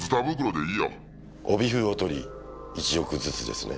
帯封を取り１億ずつですね？